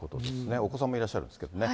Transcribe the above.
お子さんもいらっしゃるんですけどね。